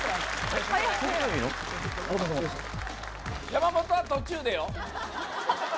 山本は途中でよ